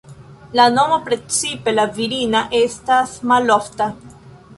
La nomo, precipe la virina estas malofta.